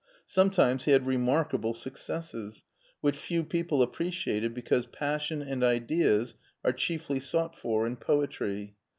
Sometimes he had remarkable successes, which few people appreciated because passion and ideas are chiefly sought for in poetry.